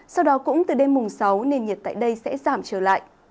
sau đó cũng từ đêm mùng sáu nền nhiệt tại đây sẽ giảm trở lại